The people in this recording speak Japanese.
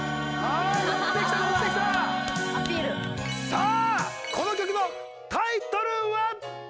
さあこの曲のタイトルは？